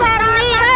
dasar pengjuang makam